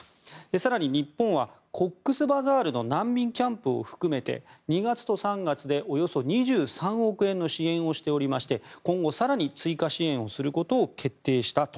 更に日本はコックスバザールの難民キャンプを含めて２月と３月でおよそ２３億円の支援をしておりまして今後更に追加支援することを決定したと